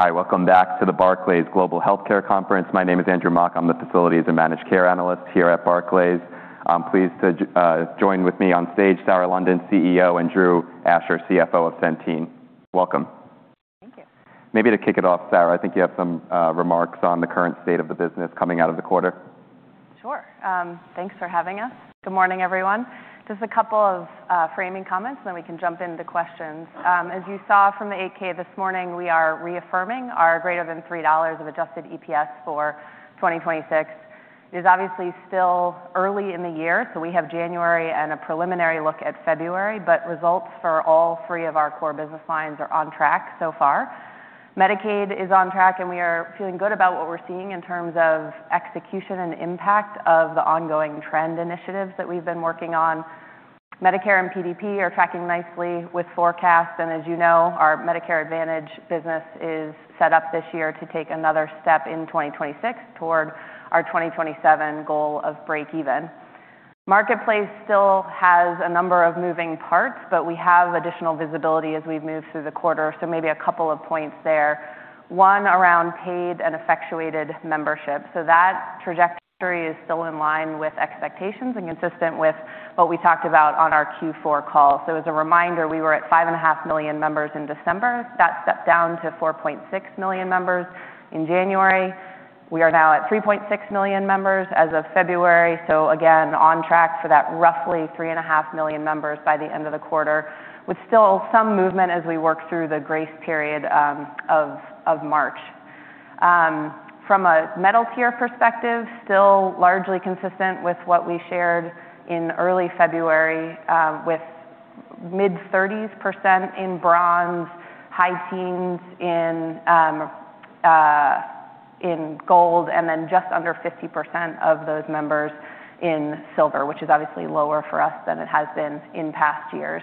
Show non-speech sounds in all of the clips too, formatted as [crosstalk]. Hi, welcome back to the Barclays Global Healthcare Conference. My name is Andrew Mok. I'm the Facilities and Managed Care Analyst here at Barclays. I'm pleased to have joining me on stage, Sarah London, CEO, and Drew Asher, CFO of Centene. Welcome. Thank you. Maybe to kick it off, Sarah, I think you have some remarks on the current state of the business coming out of the quarter. Sure. Thanks for having us. Good morning, everyone. Just a couple of framing comments, and then we can jump into questions. As you saw from the 8-K this morning, we are reaffirming our greater than $3 of adjusted EPS for 2026. It is obviously still early in the year, so we have January and a preliminary look at February, but results for all three of our core business lines are on track so far. Medicaid is on track, and we are feeling good about what we're seeing in terms of execution and impact of the ongoing trend initiatives that we've been working on. Medicare and PDP are tracking nicely with forecast, and as you know, our Medicare Advantage business is set up this year to take another step in 2026 toward our 2027 goal of breakeven. Marketplace still has a number of moving parts, but we have additional visibility as we've moved through the quarter, so maybe a couple of points there. One, around paid and effectuated membership. That trajectory is still in line with expectations and consistent with what we talked about on our Q4 call. As a reminder, we were at 5.5 million members in December. That stepped down to 4.6 million members in January. We are now at 3.6 million members as of February, so again, on track for that roughly 3.5 million members by the end of the quarter, with still some movement as we work through the grace period of March. From a metal tier perspective, still largely consistent with what we shared in early February, with mid-30s% in Bronze, high teens in Gold, and then just under 50% of those members in Silver, which is obviously lower for us than it has been in past years.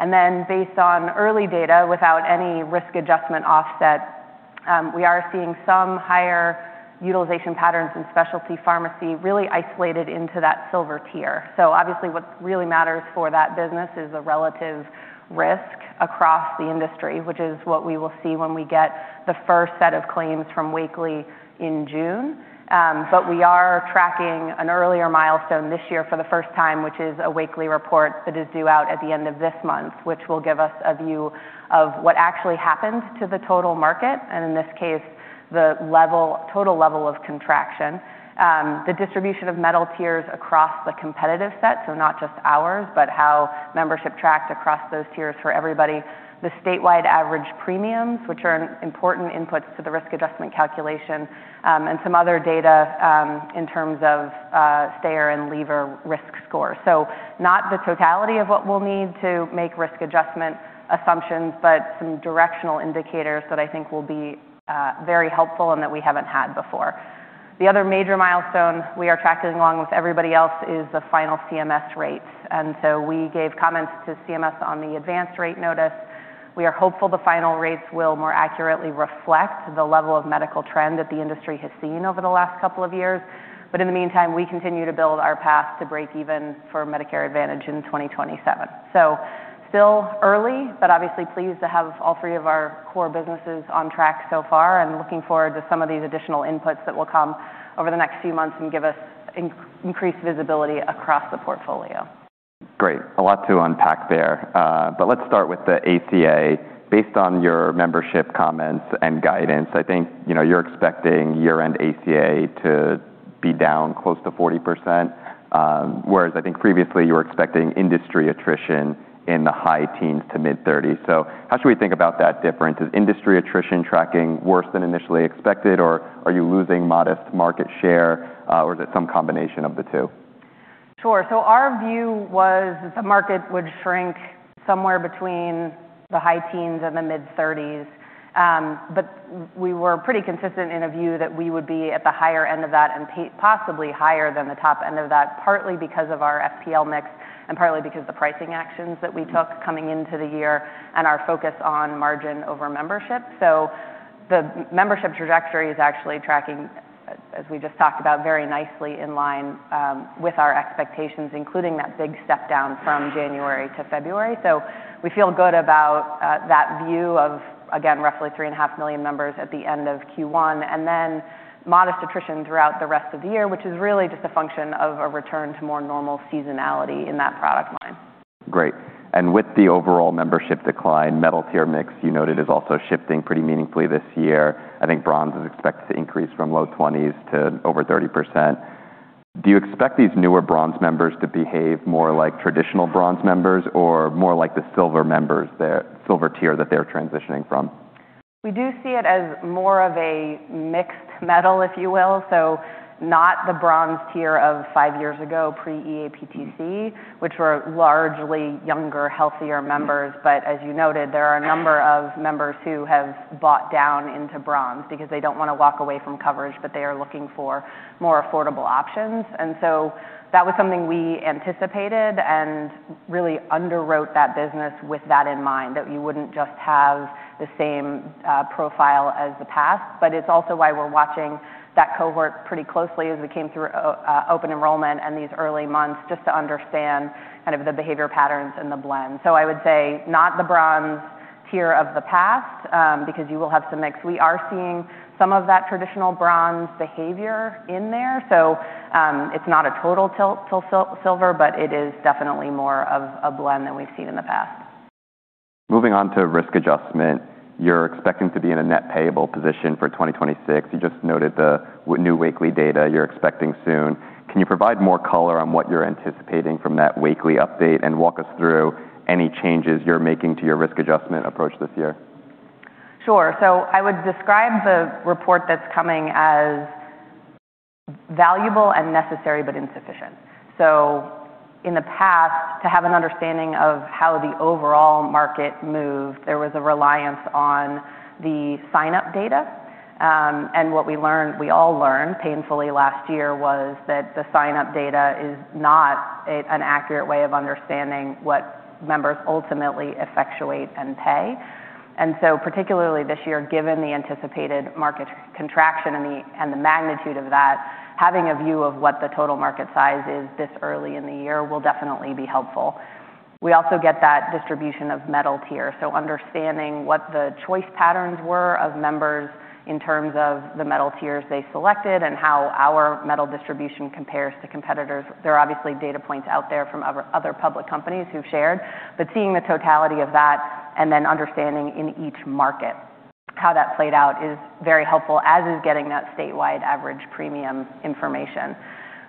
Based on early data, without any risk adjustment offset, we are seeing some higher utilization patterns in specialty pharmacy really isolated into that Silver tier. Obviously, what really matters for that business is the relative risk across the industry, which is what we will see when we get the first set of claims from Wakely in June. We are tracking an earlier milestone this year for the first time, which is a Wakely report that is due out at the end of this month, which will give us a view of what actually happened to the total market, and in this case, the total level of contraction. The distribution of metal tiers across the competitive set, so not just ours, but how membership tracked across those tiers for everybody. The statewide average premiums, which are an important input to the risk adjustment calculation, and some other data, in terms of stayer and leaver risk score. Not the totality of what we'll need to make risk adjustment assumptions, but some directional indicators that I think will be very helpful and that we haven't had before. The other major milestone we are tracking along with everybody else is the final CMS rates. We gave comments to CMS on the Advance Rate Notice. We are hopeful the final rates will more accurately reflect the level of medical trend that the industry has seen over the last couple of years. In the meantime, we continue to build our path to breakeven for Medicare Advantage in 2027. Still early, but obviously pleased to have all three of our core businesses on track so far and looking forward to some of these additional inputs that will come over the next few months and give us increased visibility across the portfolio. Great. A lot to unpack there. Let's start with the ACA. Based on your membership comments and guidance, I think, you know, you're expecting year-end ACA to be down close to 40%, whereas I think previously you were expecting industry attrition in the high teens to mid-thirties. How should we think about that difference? Is industry attrition tracking worse than initially expected, or are you losing modest market share, or is it some combination of the two? Sure. Our view was that the market would shrink somewhere between the high teens and the mid-thirties. We were pretty consistent in a view that we would be at the higher end of that and possibly higher than the top end of that, partly because of our FPL mix and partly because the pricing actions that we took coming into the year and our focus on margin over membership. The membership trajectory is actually tracking, as we just talked about, very nicely in line with our expectations, including that big step down from January to February. We feel good about that view of, again, roughly 3.5 million members at the end of Q1, and then modest attrition throughout the rest of the year, which is really just a function of a return to more normal seasonality in that product line. Great. With the overall membership decline, metal tier mix, you noted, is also shifting pretty meaningfully this year. I think Bronze is expected to increase from low 20% to over 30%. Do you expect these newer Bronze members to behave more like traditional Bronze members or more like the Silver tier that they're transitioning from? We do see it as more of a mixed metal, if you will. Not the Bronze tier of five years ago pre-EAPTC, which were largely younger, healthier members. As you noted, there are a number of members who have bought down into bronze because they don't wanna walk away from coverage, but they are looking for more affordable options. That was something we anticipated and really underwrote that business with that in mind, that you wouldn't just have the same profile as the past. It's also why we're watching that cohort pretty closely as we came through open enrollment and these early months, just to understand kind of the behavior patterns and the blend. I would say not the Bronze tier of the past, because you will have some mix. We are seeing some of that traditional bronze behavior in there. It's not a total tilt to Silver, but it is definitely more of a blend than we've seen in the past. Moving on to risk adjustment. You're expecting to be in a net payable position for 2026. You just noted the new Wakely data you're expecting soon. Can you provide more color on what you're anticipating from that Wakely update and walk us through any changes you're making to your risk adjustment approach this year? Sure. I would describe the report that's coming as valuable and necessary, but insufficient. In the past, to have an understanding of how the overall market moved, there was a reliance on the sign-up data. What we learned, we all learned painfully last year was that the sign-up data is not an accurate way of understanding what members ultimately effectuate and pay. Particularly this year, given the anticipated market contraction and the magnitude of that, having a view of what the total market size is this early in the year will definitely be helpful. We also get that distribution of metal tier, so understanding what the choice patterns were of members in terms of the metal tiers they selected and how our metal distribution compares to competitors. There are obviously data points out there from other public companies who've shared, but seeing the totality of that and then understanding in each market how that played out is very helpful, as is getting that statewide average premium information.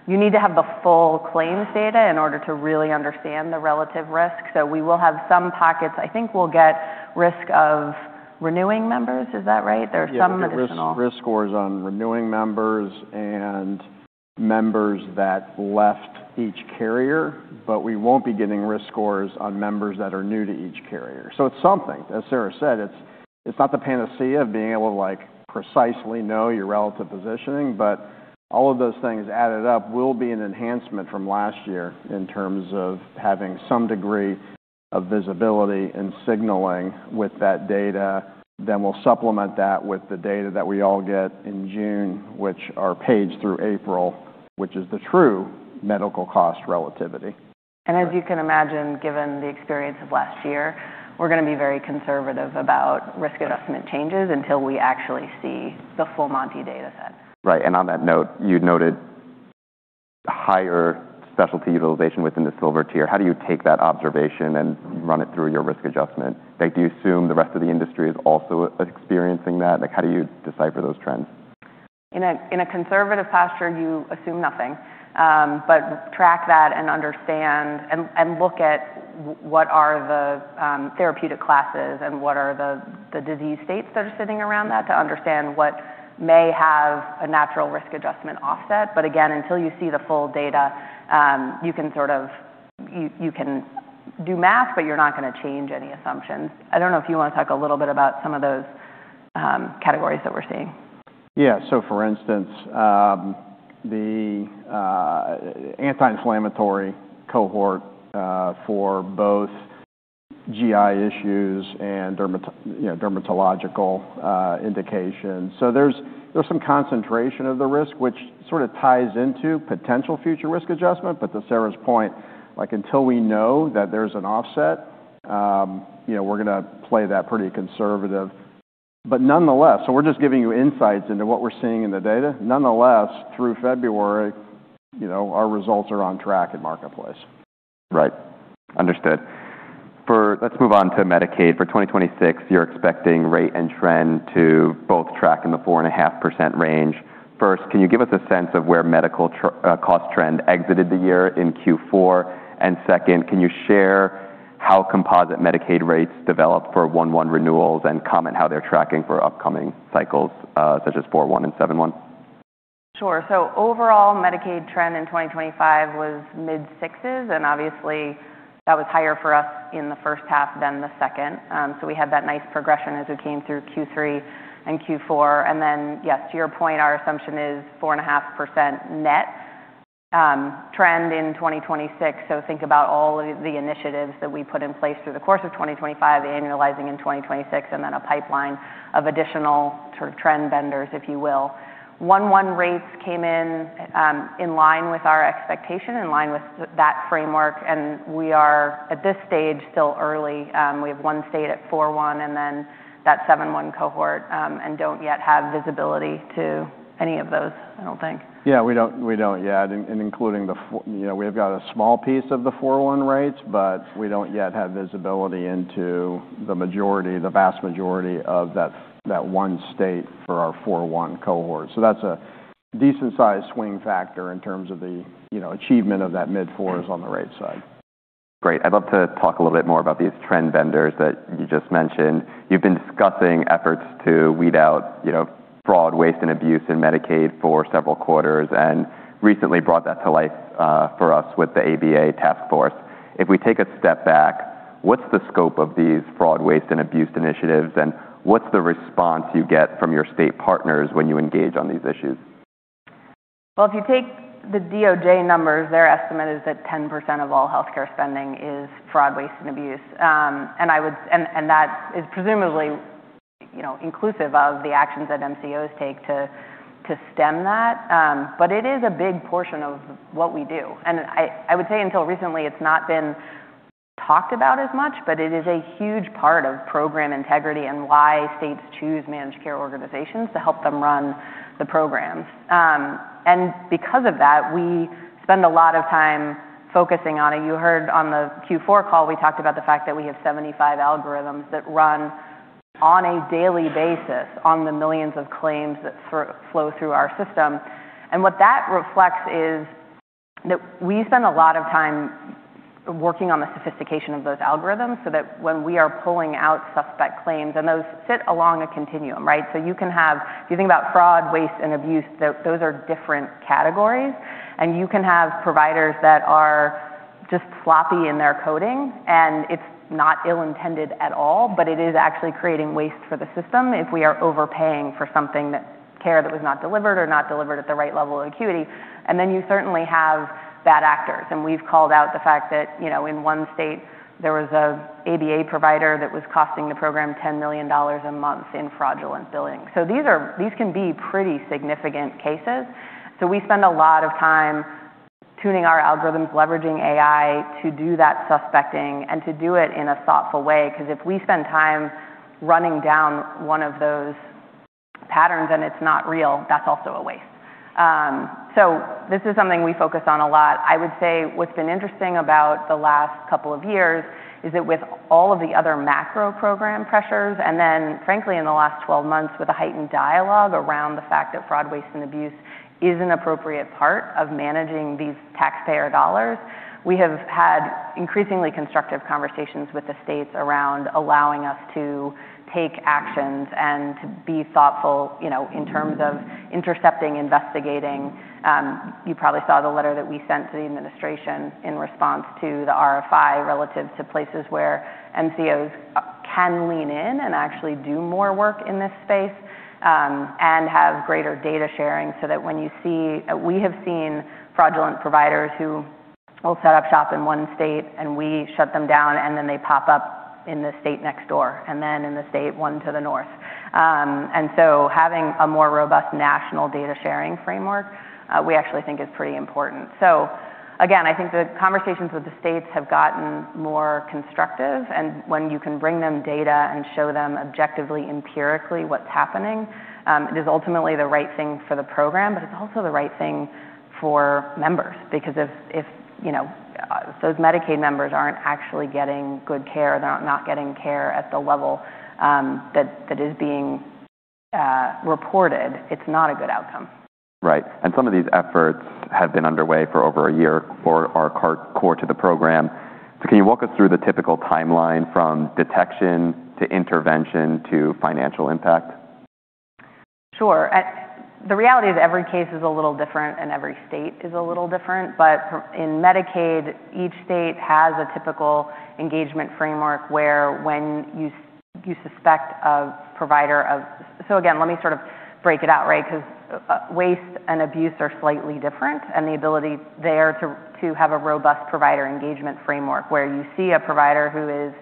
You need to have the full claims data in order to really understand the relative risk. We will have some pockets. I think we'll get risk of renewing members. Is that right? Yeah, we get risk scores on renewing members and members that left each carrier, but we won't be getting risk scores on members that are new to each carrier. It's something. As Sarah said, it's not the panacea of being able to, like, precisely know your relative positioning, but all of those things added up will be an enhancement from last year in terms of having some degree of visibility and signaling with that data. We'll supplement that with the data that we all get in June, which are paid through April, which is the true medical cost relativity. As you can imagine, given the experience of last year, we're gonna be very conservative about risk adjustment changes until we actually see the full Monty data set. Right. On that note, you noted higher specialty utilization within the Silver tier. How do you take that observation and run it through your risk adjustment? Like, do you assume the rest of the industry is also experiencing that? Like, how do you decipher those trends? In a conservative posture, you assume nothing. Track that and understand and look at what are the therapeutic classes and what are the disease states that are sitting around that to understand what may have a natural risk adjustment offset. Again, until you see the full data, you can sort of do math, but you're not gonna change any assumptions. I don't know if you want to talk a little bit about some of those categories that we're seeing. Yeah. For instance, the anti-inflammatory cohort for both GI issues and dermatological indications. There's some concentration of the risk, which sort of ties into potential future risk adjustment. To Sarah's point, like, until we know that there's an offset, you know, we're gonna play that pretty conservative. Nonetheless, we're just giving you insights into what we're seeing in the data. Nonetheless, through February, you know, our results are on track in Marketplace. Right. Understood. Let's move on to Medicaid. For 2026, you're expecting rate and trend to both track in the 4.5% range. First, can you give us a sense of where cost trend exited the year in Q4? Second, can you share how composite Medicaid rates developed for 1/1 renewals and comment how they're tracking for upcoming cycles, such as 4/1 and 7/1? Sure. Overall Medicaid trend in 2025 was mid-6%, and obviously that was higher for us in the first half than the second. We had that nice progression as we came through Q3 and Q4. Yes, to your point, our assumption is 4.5% net trend in 2026. Think about all of the initiatives that we put in place through the course of 2025, annualizing in 2026, and then a pipeline of additional sort of trend vendors, if you will. 1/1 rates came in in line with our expectation, in line with that framework, and we are at this stage still early. We have one state at 4/1 and then that 7/1 cohort, and don't yet have visibility to any of those, I don't think. Yeah, we don't yet. Including you know, we've got a small piece of the 4.1 rates, but we don't yet have visibility into the majority, the vast majority of that one state for our 4/1 cohort. So that's a decent sized swing factor in terms of the, you know, achievement of that mid-4s on the rate side. Great. I'd love to talk a little bit more about these trend vendors that you just mentioned. You've been discussing efforts to weed out, you know, fraud, waste, and abuse in Medicaid for several quarters, and recently brought that to life for us with the ABA Task Force. If we take a step back, what's the scope of these fraud, waste, and abuse initiatives, and what's the response you get from your state partners when you engage on these issues? Well, if you take the DOJ numbers, their estimate is that 10% of all healthcare spending is fraud, waste, and abuse. That is presumably, you know, inclusive of the actions that MCOs take to stem that. But it is a big portion of what we do. I would say until recently, it's not been talked about as much, but it is a huge part of program integrity and why states choose managed care organizations to help them run the programs. Because of that, we spend a lot of time focusing on it. You heard on the Q4 call, we talked about the fact that we have 75 algorithms that run on a daily basis on the millions of claims that flow through our system. What that reflects is that we spend a lot of time working on the sophistication of those algorithms so that when we are pulling out suspect claims, and those sit along a continuum, right? You can have. If you think about fraud, waste, and abuse, those are different categories, and you can have providers that are just sloppy in their coding, and it's not ill-intended at all, but it is actually creating waste for the system if we are overpaying for care that was not delivered or not delivered at the right level of acuity. You certainly have bad actors. We've called out the fact that, you know, in one state, there was an ABA provider that was costing the program $10 million a month in fraudulent billing. These can be pretty significant cases. We spend a lot of time tuning our algorithms, leveraging AI to do that suspecting and to do it in a thoughtful way, 'cause if we spend time running down one of those patterns and it's not real, that's also a waste. This is something we focus on a lot. I would say what's been interesting about the last couple of years is that with all of the other macro program pressures, and then frankly, in the last twelve months, with a heightened dialogue around the fact that fraud, waste, and abuse is an appropriate part of managing these taxpayer dollars, we have had increasingly constructive conversations with the states around allowing us to take actions and to be thoughtful, you know, in terms of intercepting, investigating. You probably saw the letter that we sent to the administration in response to the RFI relative to places where MCOs can lean in and actually do more work in this space, and have greater data sharing. We have seen fraudulent providers who will set up shop in one state, and we shut them down, and then they pop up in the state next door, and then in the state one to the north. Having a more robust national data sharing framework, we actually think is pretty important. Again, I think the conversations with the states have gotten more constructive, and when you can bring them data and show them objectively, empirically what's happening, it is ultimately the right thing for the program, but it's also the right thing for members. Because if you know those Medicaid members aren't actually getting good care, they're not getting care at the level that is being reported, it's not a good outcome. Right. Some of these efforts have been underway for over a year or are core to the program. Can you walk us through the typical timeline from detection to intervention to financial impact? Sure. The reality is every case is a little different, and every state is a little different. In Medicaid, each state has a typical engagement framework where when you suspect a provider of. Again, let me sort of break it out, right? 'Cause, waste and abuse are slightly different, and the ability there to have a robust provider engagement framework where you see a provider who is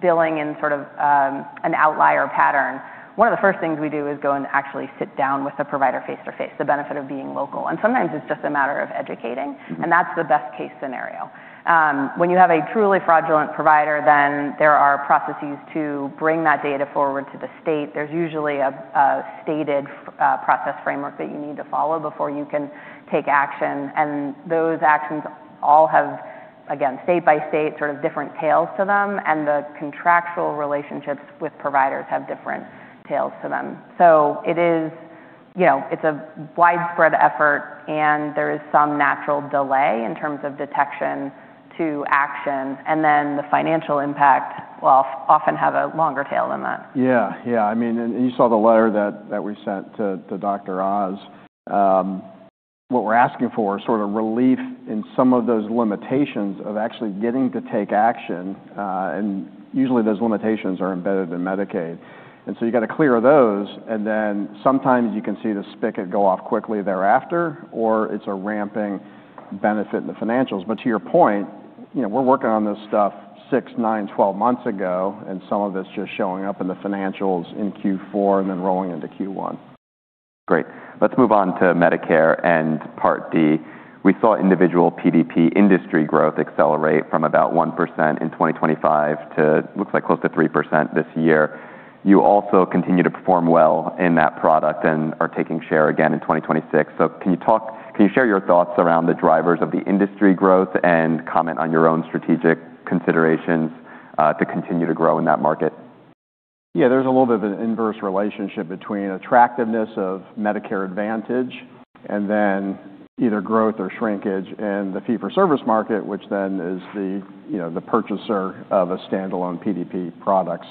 billing in sort of, an outlier pattern. One of the first things we do is go and actually sit down with the provider face-to-face, the benefit of being local. Sometimes it's just a matter of educating, and that's the best-case scenario. When you have a truly fraudulent provider, then there are processes to bring that data forward to the state. There's usually a stated process framework that you need to follow before you can take action. Those actions all have, again, state by state, sort of different tails to them, and the contractual relationships with providers have different tails to them. It is, you know, it's a widespread effort, and there is some natural delay in terms of detection to action, and then the financial impact will often have a longer tail than that. Yeah. Yeah. I mean, you saw the letter that we sent to Dr. Oz. What we're asking for is sort of relief in some of those limitations of actually getting to take action. Usually, those limitations are embedded in Medicaid. You got to clear those, and then sometimes you can see the spigot go off quickly thereafter, or it's a ramping benefit in the financials. To your point, you know, we're working on this stuff 6, 9, 12 months ago, and some of it's just showing up in the financials in Q4 and then rolling into Q1. Great. Let's move on to Medicare and Part D. We saw individual PDP industry growth accelerate from about 1% in 2025 to looks like close to 3% this year. You also continue to perform well in that product and are taking share again in 2026. Can you share your thoughts around the drivers of the industry growth and comment on your own strategic considerations to continue to grow in that market? Yeah. There's a little bit of inverse relationship between attractiveness of Medicare Advantage and then either growth or shrinkage in the fee-for-service market, which then is the, you know, the purchaser of a standalone PDP product.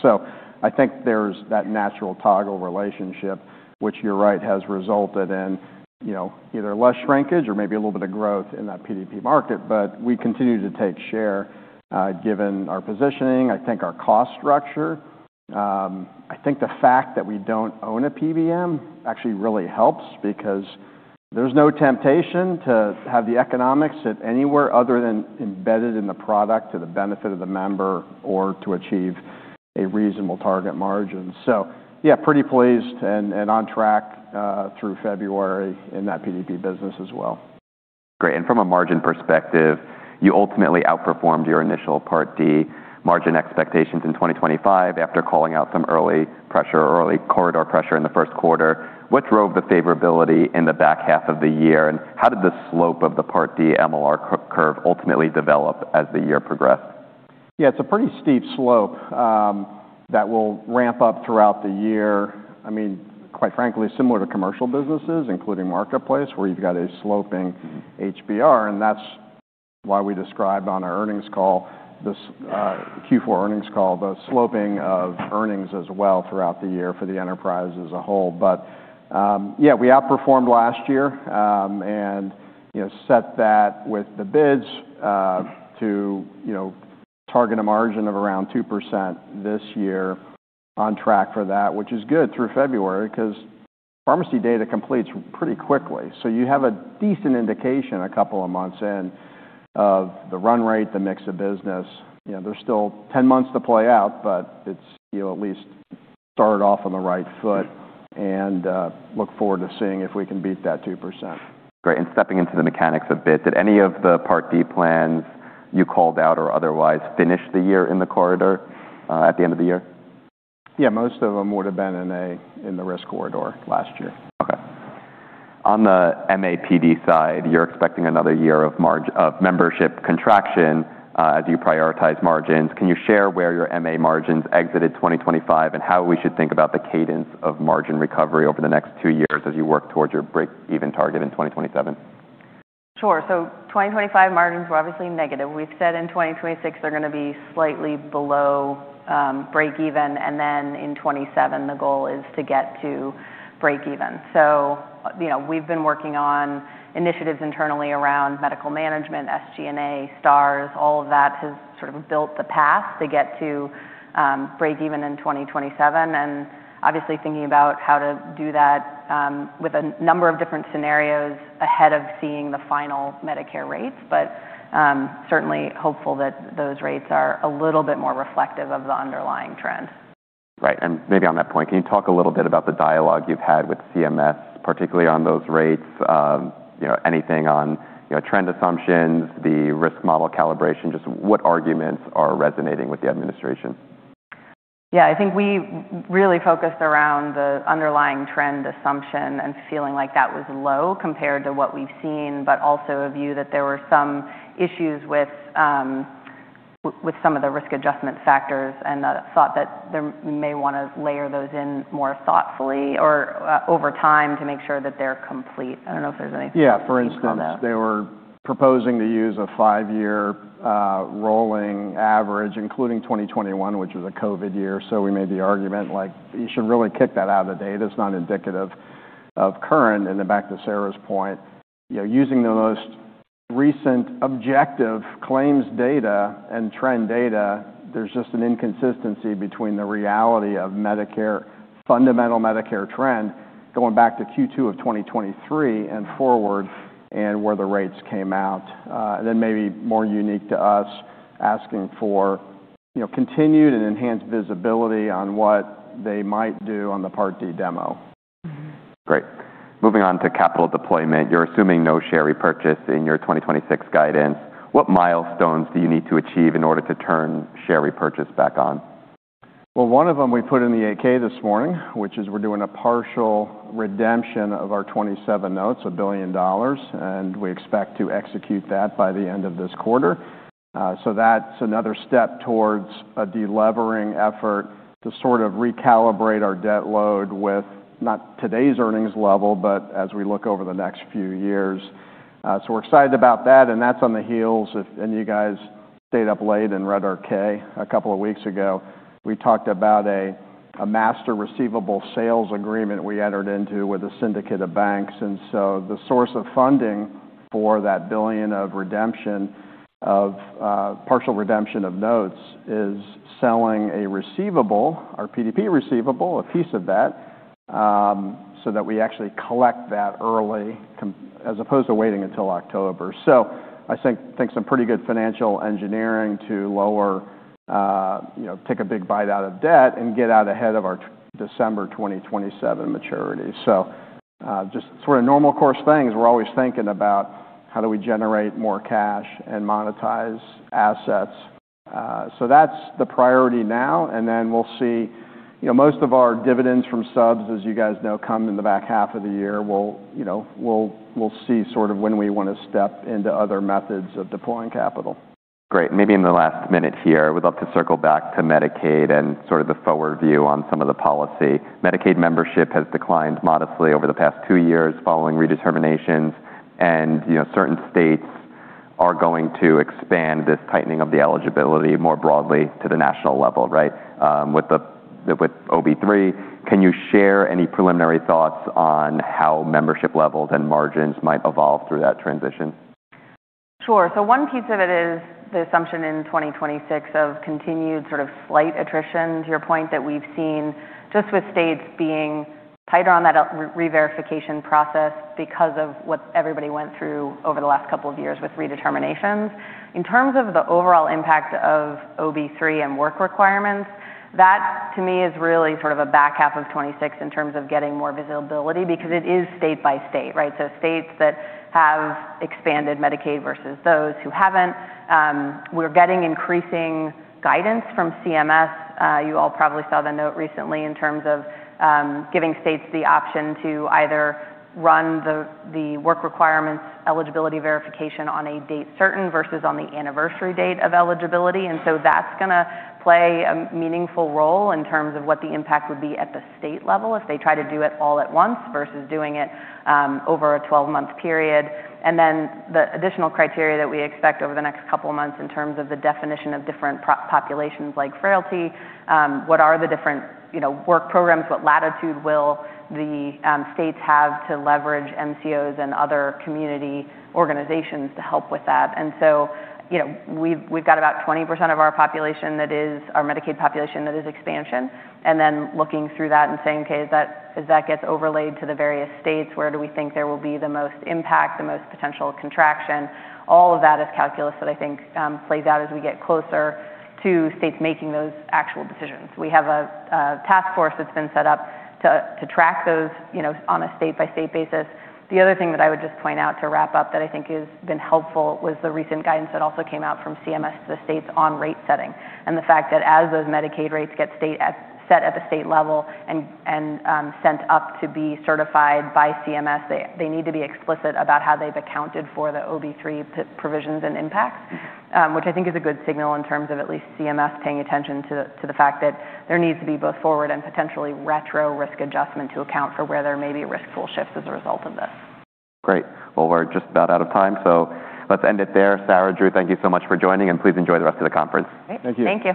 I think there's that natural toggle relationship, which you're right, has resulted in, you know, either less shrinkage or maybe a little bit of growth in that PDP market. We continue to take share, given our positioning, I think our cost structure. I think the fact that we don't own a PBM actually really helps because there's no temptation to have the economics sit anywhere other than embedded in the product to the benefit of the member or to achieve a reasonable target margin. Yeah, pretty pleased and on track through February in that PDP business as well. Great. From a margin perspective, you ultimately outperformed your initial Part D margin expectations in 2025 after calling out some early risk corridor pressure in the first quarter. What drove the favorability in the back half of the year, and how did the slope of the Part D MLR curve ultimately develop as the year progressed? Yeah, it's a pretty steep slope that will ramp up throughout the year. I mean, quite frankly, similar to commercial businesses, including Marketplace, where you've got a sloping HBR. That's why we described on our earnings call, this Q4 earnings call, the sloping of earnings as well throughout the year for the enterprise as a whole. Yeah, we outperformed last year and you know set that with the bids to you know target a margin of around 2% this year on track for that, which is good through February 'cause pharmacy data completes pretty quickly. You have a decent indication a couple of months in of the run rate, the mix of business. You know, there's still 10 months to play out, but it's, you know, at least started off on the right foot and look forward to seeing if we can beat that 2%. Great. Stepping into the mechanics a bit, did any of the Part D plans you called out or otherwise finish the year in the corridor, at the end of the year? Yeah, most of them would have been in the risk corridor last year. Okay. On the MAPD side, you're expecting another year of membership contraction as you prioritize margins. Can you share where your MA margins exited 2025 and how we should think about the cadence of margin recovery over the next two years as you work towards your break-even target in 2027? Sure. 2025 margins were obviously negative. We've said in 2026 they're gonna be slightly below break even, and then in 2027, the goal is to get to break even. You know, we've been working on initiatives internally around medical management, SG&A, stars, all of that has sort of built the path to get to break even in 2027. Obviously thinking about how to do that with a number of different scenarios ahead of seeing the final Medicare rates, but certainly hopeful that those rates are a little bit more reflective of the underlying trends. Right. Maybe on that point, can you talk a little bit about the dialogue you've had with CMS, particularly on those rates, you know, anything on, you know, trend assumptions, the risk model calibration, just what arguments are resonating with the administration? Yeah. I think we really focused around the underlying trend assumption and feeling like that was low compared to what we've seen, but also a view that there were some issues with with some of the risk adjustment factors and the thought that we may wanna layer those in more thoughtfully or, over time to make sure that they're complete. I don't know if there's anything [crosstalk] Yeah. For instance, they were proposing to use a five-year rolling average, including 2021, which was a COVID year. We made the argument, like, you should really kick that out of the data. It's not indicative of current. Going back to Sarah's point, you know, using the most recent objective claims data and trend data, there's just an inconsistency between the reality of Medicare's fundamental Medicare trend going back to Q2 of 2023 and forward, and where the rates came out. Maybe more unique to us asking for, you know, continued and enhanced visibility on what they might do on the Part D demo. Mm-hmm. Great. Moving on to capital deployment, you're assuming no share repurchase in your 2026 guidance. What milestones do you need to achieve in order to turn share repurchase back on? Well, one of them we put in the 8-K this morning, which is we're doing a partial redemption of our 2027 notes, $1 billion, and we expect to execute that by the end of this quarter. That's another step towards a de-levering effort to sort of recalibrate our debt load with not today's earnings level, but as we look over the next few years. We're excited about that, and that's on the heels of, and you guys stayed up late and read our 10-K a couple of weeks ago. We talked about a master receivable sales agreement we entered into with a syndicate of banks. The source of funding for that $1 billion of redemption of partial redemption of notes is selling a receivable, our PDP receivable, a piece of that, so that we actually collect that early as opposed to waiting until October. I think think some pretty good financial engineering to lower you know take a big bite out of debt and get out ahead of our December 2027 maturity. Just sort of normal course things. We're always thinking about how do we generate more cash and monetize assets. That's the priority now, and then we'll see. You know, most of our dividends from subs, as you guys know, come in the back half of the year. We'll see sort of when we wanna step into other methods of deploying capital. Great. Maybe in the last minute here, we'd love to circle back to Medicaid and sort of the forward view on some of the policy. Medicaid membership has declined modestly over the past two years following redeterminations and, you know, certain states are going to expand this tightening of the eligibility more broadly to the national level, right? With OB3, can you share any preliminary thoughts on how membership levels and margins might evolve through that transition? Sure. One piece of it is the assumption in 2026 of continued sort of slight attrition, to your point, that we've seen just with states being tighter on that re-verification process because of what everybody went through over the last couple of years with redeterminations. In terms of the overall impact of OB3 and work requirements, that to me is really sort of a back half of 2026 in terms of getting more visibility because it is state by state, right? States that have expanded Medicaid versus those who haven't, we're getting increasing guidance from CMS. You all probably saw the note recently in terms of giving states the option to either run the work requirements eligibility verification on a date certain versus on the anniversary date of eligibility. That's gonna play a meaningful role in terms of what the impact would be at the state level if they try to do it all at once versus doing it over a twelve-month period. Then the additional criteria that we expect over the next couple of months in terms of the definition of different populations like frailty, what are the different, you know, work programs, what latitude will the states have to leverage MCOs and other community organizations to help with that. You know, we've got about 20% of our population that is – our Medicaid population that is expansion. And then looking through that and saying, "Okay, as that gets overlaid to the various states, where do we think there will be the most impact, the most potential contraction?" All of that is calculus that I think plays out as we get closer to states making those actual decisions. We have a task force that's been set up to track those, you know, on a state-by-state basis. The other thing that I would just point out to wrap up that I think has been helpful was the recent guidance that also came out from CMS to the states on rate setting, and the fact that as those Medicaid rates get set at the state level and sent up to be certified by CMS, they need to be explicit about how they've accounted for the OB3 provisions and impacts, which I think is a good signal in terms of at least CMS paying attention to the fact that there needs to be both forward and potentially retro risk adjustment to account for where there may be risk pool shifts as a result of this. Great. Well, we're just about out of time, so let's end it there. Sarah, Drew, thank you so much for joining, and please enjoy the rest of the conference. Great. Thank you. Thank you.